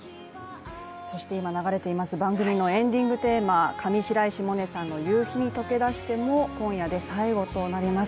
そして今、流れています番組のエンディングテーマ、上白石萌音さんの「夕陽に溶け出して」も今夜で最後となります。